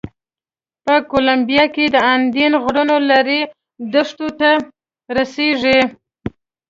په کولمبیا کې د اندین غرونو لړۍ دښتو ته رسېږي.